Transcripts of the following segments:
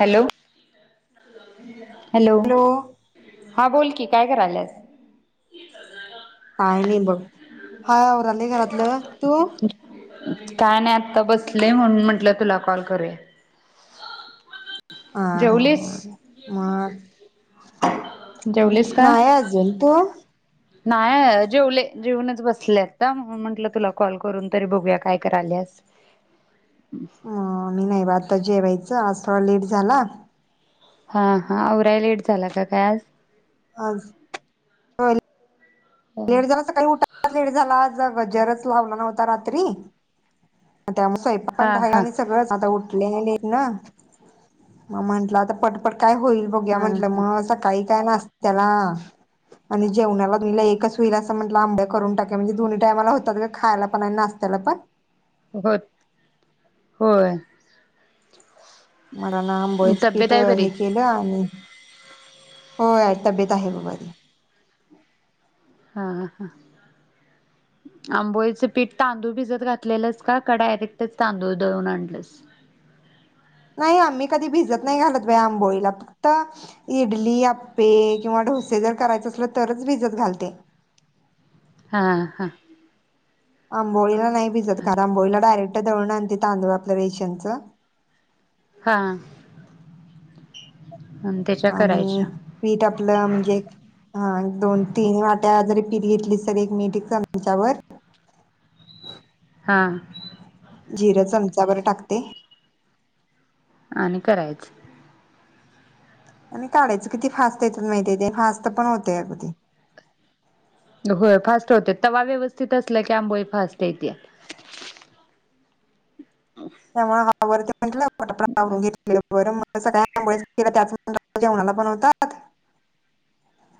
Hello. Hello. हा बोल की काय कराल्यास? काय नाही बघ. हाय आवरोलय घरातलं. तू? काय नाही आत्ता बसलंय म्हणून म्हंटलं तुला कॉल करूया. हा हा जेवलीस, हा मग जेवलीस का? नाही अजून तू नाही जेवले जेवुणच बसले आता. म्हंटलं तुला कॉल करून तरी बघूया काय कराल्यास. ह मी नाही बा आता जेवायचं च थोडा लेट झाला. हा हा औराय लेट झाला का काय आज? आज लेट झाला सकाळी उठायलाच लेट झाला आज. गजरच लावला नव्हता रात्री. त्यामुळे स्वयंपाक पण हा राहिला हा हा आणि सगळंच आता उठलेले लेट्न. मग म्हंटलं आता पटपट काय होईल बघूया म्हटलं हा मग सकाळी काय नाश्त्याला आणि जेवणाला बी एकच होईल असं म्हटलं आंब्या करून टाकूया म्हणजे दोन्ही टाइमाला होतात गं खायला पण नास्त्याला पण. होत होय मला आंबोळीच तब्येत पीठ आहे बरी? हे केलं आणि होय तब्येत आहे बघ बरी. हा ह आंबोळीच पीठ तांदूळ भिजत घातलेलंस का का डायरेक्टच तांदूळ दळून आणलंस? नाही आम्ही कधी भिजत नाही घालत बई आंबोळीला फक्त इडली, आप्पे किंवा डोसे जर करायचे असल तरच भिजत घालते. हा हा आंबोळीला नाही भिजत. कारन आंबोळी ला डायरेक्ट दळून आणते तांदूळ आपलं रेशनचं. हा आणि त्याच्या आणि करायच्या पीठ आपलं म्हणजे हा दोन, तीन वाट्या जरी पीठ घेतलीस तर एक मीठ एक चमचाभर हां जिरं चमचाभर टाकते. आणि करायच. आणि काढायचं किती फास्ट येतात माहितीय ते फास्ट पण होते अग ते. होय फास्ट होते. तवा व्यवस्थित असला की आंबोली फास्ट येत्या. तवा ह अवरत्या म्हटलं पटपट आवरून घेतलेलं बरं मग तस काय आंबोळीच केल्यात त्याच म्हणलं जेवणाला पण होतात.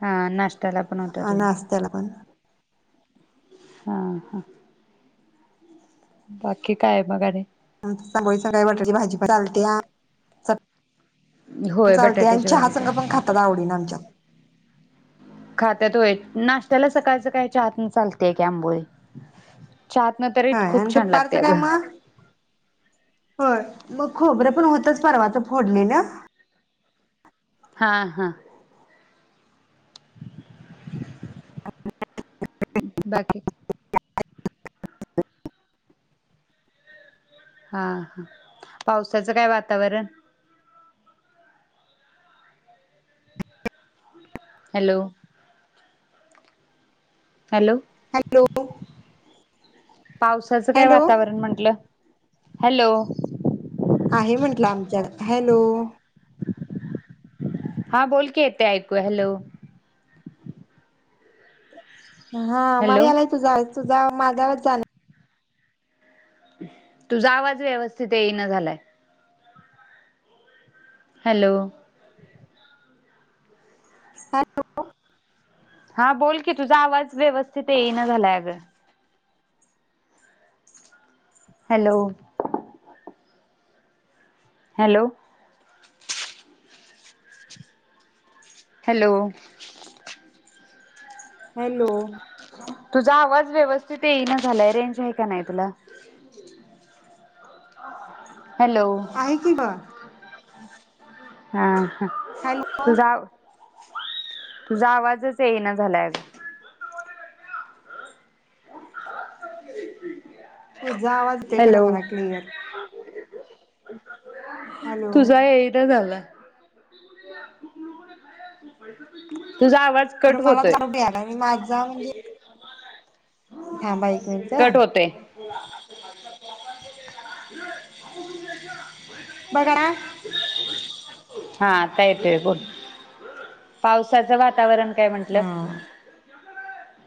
हा नाश्त्याला बनवतात आणि होय. नाश्त्याला [inaudible] हा हा बाकी काय मग आणि? आमच्यात आंबोली संग बटाटे भाजी पण चालत्या होय चालते आणि बटाट्याची चहा संग पण भाजीच खातात आवडीण आमच्यात. खात्यातय व्हय नाश्त्याला सकाळच काही चाहतन चालतेय की आंबोळी चाहातना तरी होय आणि खूप छान लागते दुपारचं अग काय मग होय मग खबरे पण होतच परवाच फोडलेल हा, हा रिकामा ऑडिओ बाकी हा, हा पावसाच काय वातावरण हॅलो हॅलो हॅलो पावसाच काय हॅलो वातावरण म्हंटल आहे म्हंटल आमच्या हॅलो हा बोलकी येते ऐकू हॅलो हा मला हॅलो यायलय तुझा ऐकू तुझा माझा आवाज जाना तुझा आवाज व्यवस्थित येईना झालाय हॅलो हा बोल की तुझा आवाज व्यवस्थित येईना झालाय अग रिकामा audio hello hello hello hello तुझा आवाज व्यवस्थित येईना झालाय रेंज आहे का नाय तुला हॅलो आहे की बा हा ह हॅलो तुझा आवा तुझा आवाजच येईना झालाय अग तुझा आवाज येतय मला खर हॅलो मला क्लिअर हॅलो तुझा येईना झालाय रिकामा ऑडिओ तर मला तुझा आवाज यायलाय आणि माझा म्हणजे थांबा एक मिनिट कट होतय [inaudible] [inaudible] बघा हा आता येतय बोल पावसाचं वातावरण काय म्हटलं हा [inaudible]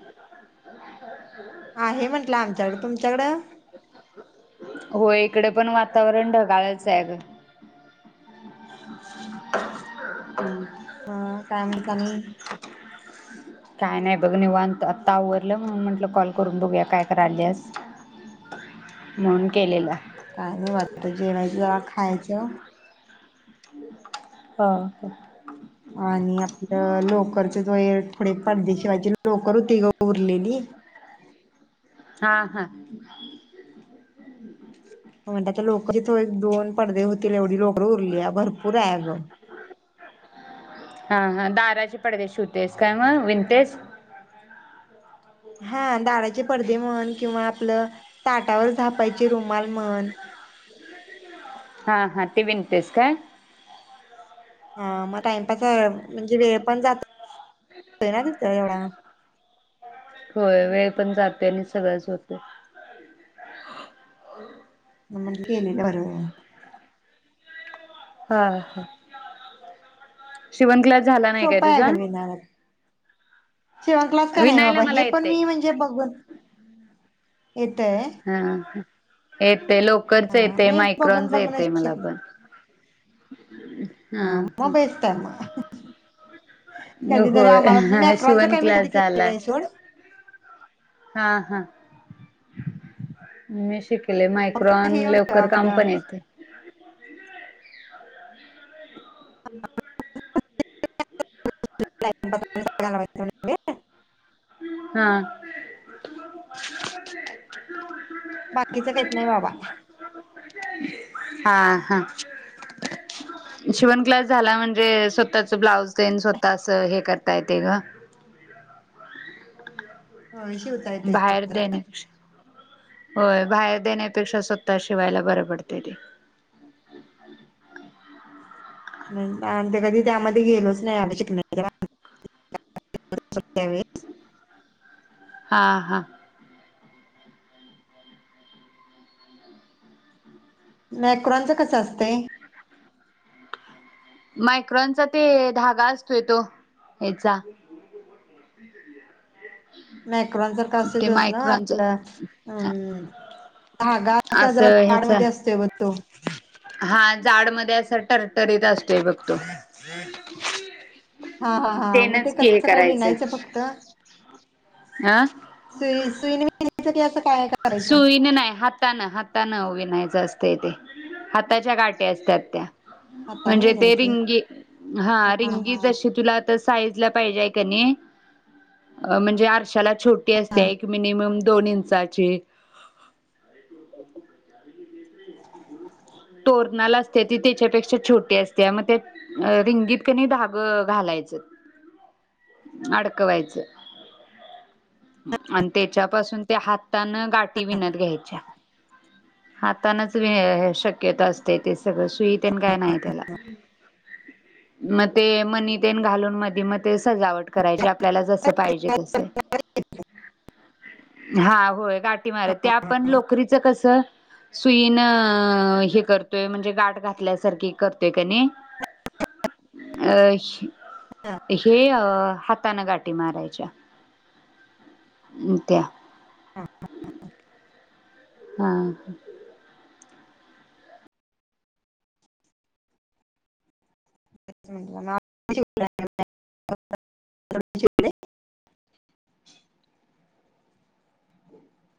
आहे म्हंटलं आमच्याकडं तुमच्याकडं हो इकडे पण वातावरण ढगाळचं हाय आगं. [unintelligible] हम हा काय म्हणता आणि? काय नाही बघ निवांत आता आवरलं म्हणून म्हंटलं कॉल करून बघूया काय कराल्यास म्हणून केलेला. काय नाही ब आता जेवायचं. खायच. हा ह. आणि आपलं लोकर [unintelligible] थोडे पडदे शिवायचे लोकर होती गं उरलेली. हा हा म्हटल लोक [unintelligible] दोन पडदे होतील एवढी लोकर उरल्या भरपूर हाय आगं. हा हा दाराचे पडदे शिवतेस काय मग विणतेस? हा दाराचे पडदे म्हण किंवा आपलं ताटावर झापायचे रुमाल म्हण. ह ह ते विनतेस काय? हा मग टाइमपास म्हणजे वेळ पण जात हो ना तिथ तेवढा होय वेळ पण जाते आणि सगळंच होतय. म्हणून केलेल बरं. ह ह शिवन क्लास झाला नाही काय सोप हाय तुझा? आगं विणायला. शिवणक्लास का नाही विनायला बाबा मला हे पण येतय मी म्हणजे बघून. येतय हं ह येते लोकरच येते मग बघून मायक्रॉनच बघूनच येतय मला शिकले पण. [inaudible] हा म बेस्ट आहे म. होय. शिवण काय मी कधी क्लास केलेलं झालाय. आहे सोड हा हा मी शिक - - कले फक्त मायक्रॉन हे एवढं लोकर काम आपलं पण येतय. [inaudible] [inaudible] [inaudible] [inaudible] [unintelligible] हां. बाकीच काहीत नाही बाबा. हा हा. शिवन क्लास झाला म्हणजे स्वतःच ब्लाउज तेंन स्वतः अस हे कर काय ते ग शिवता येते बाहेर देण्यापेक्षा होय बाहेर देण्यापेक्षा स्वतः शिवायला बरं पडतय ते आणि आमी कधी त्यामध्ये गेलोच नाही [unintelligible] शिकण्याच्यावेळी त्यावेळी हा हा मॅक्रॉनच कसं असतय मायक्रॉनचा ते धागा असतोय तो हेचा [inaudible] मॅक्रॉन सारखा असतोय ते तोच ना मायक्रॉनच आपला अम धागा असा जरा असं ह्याच जाडमध्ये असतोय ब तो हा जाड मध्ये असं टर्रर्टरीत असतोय बघ तो हा हा हा म ते तेनच की हे कसं काय करायचं विनायचं फक्त अ सुई सुई नी [unintelligible] [unintelligible] सुईने नाय हातानं हात हातान विनायचं असतय ते हाताच्या गाठी असत्यात त्या हाताने म्हणजे ते विनायचं रिंगी हा रिंगी जशी तुला त साईटला पाहिजे हाय कणी अ मंजे आरशाला छोटी हा असते एक मिनिमम दोन इंचाची तोरणाला असतिया ती तेच्यापेक्षा छोटी असतिया मग त्यात रिंगीत कनी धाग घालायचं अडकवायचं आणि तेच्यापासून ते हात हातान गाठी विणत घ्यायच्या हातानच वेय शक् क्यता असतय तेचं सगळं सुईतेन काय नाही त्याला मग ते मनी तेन घालून मधी म ते सजावट करायचे आपल्याला जस पाहिजे तसं हा होय गाठी मारायच्या ते आपण लोकरीच कसं सुईन अ करतोय म्हणजे गाठ घातल्यासारखी करतोय कनी अ हे अ अ हातान गाठी मारायच्या त्या हा [unintelligible] [unintelligible]